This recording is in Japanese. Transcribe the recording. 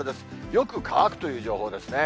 よく乾くという情報ですね。